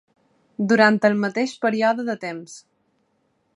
Durant el mateix període de temps.